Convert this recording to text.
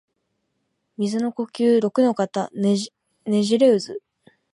水の呼吸陸ノ型ねじれ渦（ろくのかたねじれうず）